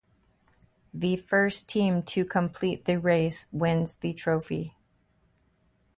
The first team to complete the race wins the trophy.